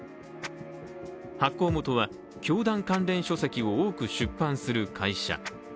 発行元は、教団関連書籍を多く出版する会社。